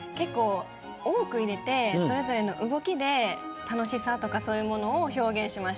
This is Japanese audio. それぞれの動きで楽しさとかそういうものを表現しました。